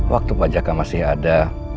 waktu pajaka masih ada